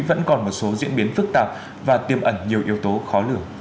vẫn còn một số diễn biến phức tạp và tiêm ẩn nhiều yếu tố khó lường